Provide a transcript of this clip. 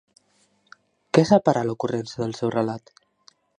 ¿Què separa l'ocurrència del seu relat?